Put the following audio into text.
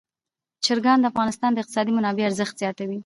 چرګان د افغانستان د اقتصادي منابعو ارزښت زیاتوي.